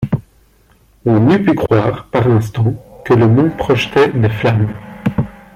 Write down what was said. On eût pu croire, par instants, que le mont projetait des flammes